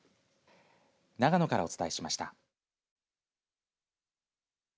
長野からお伝えしました。